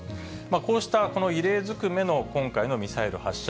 こうしたこの異例ずくめの今回のミサイル発射。